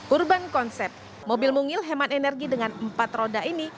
urban concept mobil mungil hemat energi dengan empat roda ini